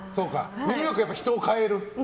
ニューヨークは人を変える？